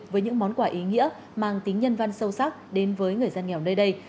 với những món quà ý nghĩa mang tính nhân văn sâu sắc đến với người dân nghèo nơi đây